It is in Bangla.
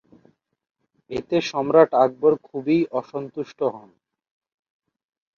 এতে সম্রাট আকবর খুবই অসন্তুষ্ট হন।